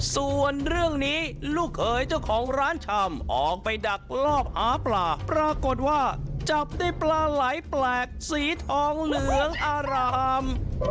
ส่วนเรื่องนี้ลูกเขยเจ้าของร้านชำออกไปดักลอบหาปลาปรากฏว่าจับได้ปลาไหลแปลกสีทองเหลืองอาราม